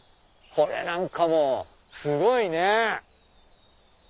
これなんかもすごいね。